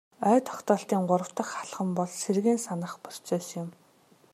Ой тогтоолтын гурав дахь алхам бол сэргээн санах процесс юм.